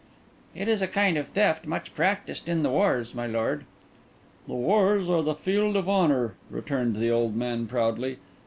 "It is a kind of theft much practised in the wars, my lord." "The wars are the field of honour," returned the old man proudly.